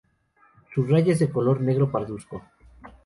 Su raya es de color negro parduzco.